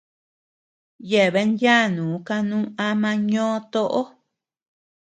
Yeabean yanuu kanu ama ñó toʼo.